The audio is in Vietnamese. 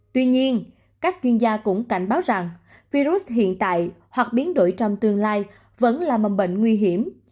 tuy nhiên các chuyên gia cũng cảnh báo rằng virus hiện tại hoặc biến đổi trong tương lai vẫn là mầm bệnh nguy hiểm